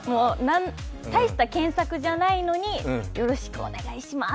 大した検索じゃないのに、よろしくお願いします！